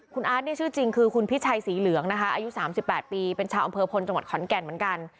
คุณอาร์ตเนี่ยชื่อจริงคือคุณพิชัยสีเหลืองนะคะอายุ๓๘ปีเป็นชาวอำเภอพลจังหวัดขอนแก่นเหมือนกัน